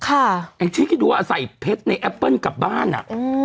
ไอ้ชิคกี้พายดูว่าใส่เพชรในแอปเปิลกลับบ้านอ่ะ